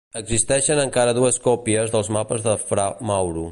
Existeixen encara dues còpies dels mapes de fra Mauro.